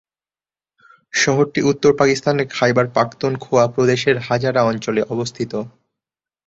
শহরটি উত্তর পাকিস্তানের খাইবার পাখতুনখোয়া প্রদেশের হাজারা অঞ্চলে অবস্থিত।